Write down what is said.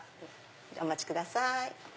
お待ちください。